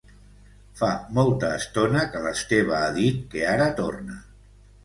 Fa molta estona que l'Esteve ha dit que ara torna